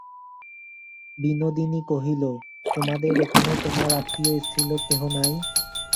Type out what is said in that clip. বিনোদিনী কহিল, তোমার এখানে তোমার আত্মীয় স্ত্রীলোক কেহ নাই?